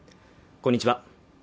こんにちは